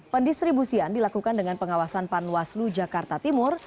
pendistribusian dilakukan dengan pengawasan panwaslu jakarta timur